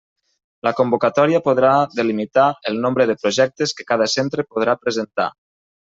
La convocatòria podrà delimitar el nombre de projectes que cada centre podrà presentar.